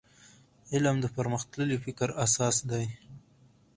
علم د پرمختللي فکر اساس دی.